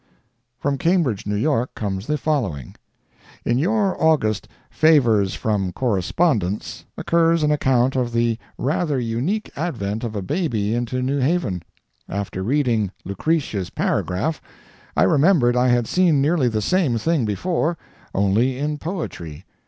From Cambridge, N.Y., comes the following: "In your August 'Favors from Correspondents' occurs an account of the rather unique advent of a baby into New Haven. After reading 'Lucretia's Paragraph,' I remembered I had seen nearly the same thing before, only in poetry.